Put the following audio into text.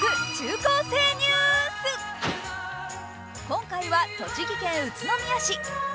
今回は栃木県宇都宮市。